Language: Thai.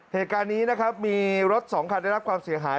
เหตุการณ์นี้นะครับมีรถสองคันได้รับความเสียหาย